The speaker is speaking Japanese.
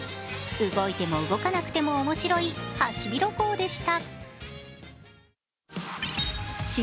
動いても動かなくても面白いハシビロコウでした。